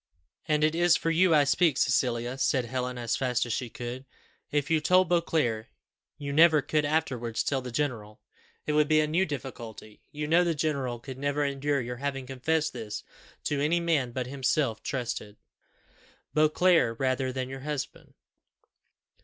"And it is for you I speak, Cecilia," said Helen, as fast as she could. "If you told Beauclerc, you never could afterwards tell the general; it would be a new difficulty. You know the general could never endure your having confessed this to any man but himself trusted Beauclerc rather than your husband."